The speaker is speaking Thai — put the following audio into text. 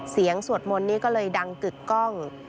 เสียงสวดมนนี่ก็เลยดังกึกกล้อง